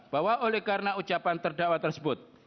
bahwa oleh karena ucapan terdakwa tersebut